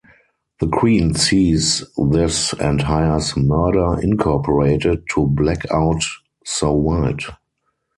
The queen sees this and hires "Murder, Incorporated" to "black-out So White.